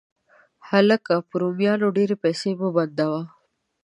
هلکه، په رومیانو ډېرې پیسې مه بندوه.